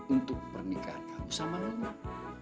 untuk pernikahan kamu sama leluhur